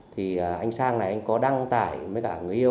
thì anh sang này anh có đăng tải với cả người yêu